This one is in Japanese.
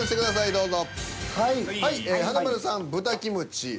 華丸さん「豚キムチ」